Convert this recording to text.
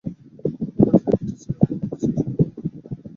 কাজের একটি ছেলে পাওয়া গেছে-জিতু মিয়া।